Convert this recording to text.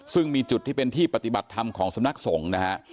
ซึ่งมีจุดที่เป็นที่ปฏิบัติธรรมของสำนักสงฆ์นะฮะ